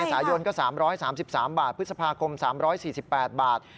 สายนก็๓๓บาทพฤษภาคม๓๔๘บาท